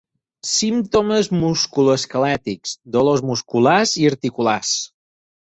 Símptomes musculoesquelètics: dolors musculars i articulars.